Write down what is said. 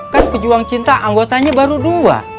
kan pejuang cinta anggotanya baru dua